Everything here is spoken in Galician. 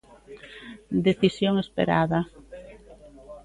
Decisión esperada.